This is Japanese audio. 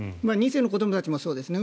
２世の子どもたちもそうですね。